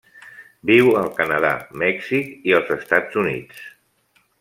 Viu al Canadà, Mèxic i els Estats Units.